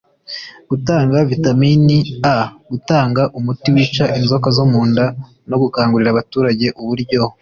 gutanga Vitamini A gutanga umuti wica inzoka zo mu nda no gukangurira abaturage uburyo